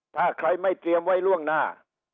ถ้าใครไม่เตรียมไว้ล่วงหน้า